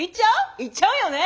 行っちゃうよね！